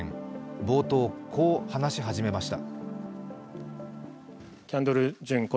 冒頭、こう話し始めました。